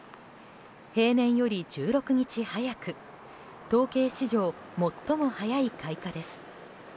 平年より１６日早く統計史上最も早い開花です。